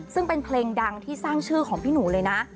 ซึ่งเป็นเพลงดังที่สร้างชื่อของพี่หนูเลยนะ